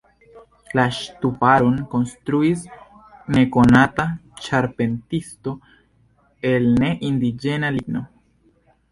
La ŝtuparon konstruis nekonata ĉarpentisto el ne-indiĝena ligno.